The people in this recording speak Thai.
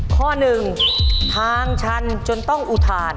ข้อ๑ทางชันจนต้องอุทาน